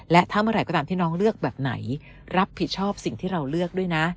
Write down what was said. และถ้าเมื่อไหร่ก็ตามที่น้องเลือกแบบไหนรับผิดชอบสิ่งที่เราเลือกด้วยนะ